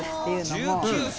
１９歳。